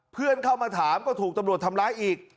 เพื่อนเข้ามาถามก็ถูกตำรวจทำร้ายอีก